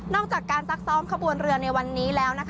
จากการซักซ้อมขบวนเรือในวันนี้แล้ว